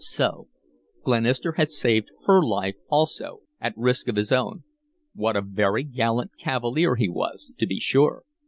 So Glenister had saved HER life also at risk of his own. What a very gallant cavalier he was, to be sure!